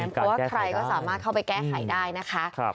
เพราะว่าใครก็สามารถเข้าไปแก้ไขได้นะคะ